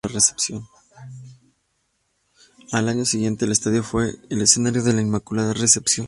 Al año siguiente, el estadio fue el escenario de la Inmaculada Recepción.